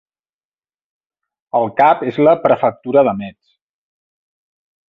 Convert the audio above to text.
El cap és la prefectura de Metz.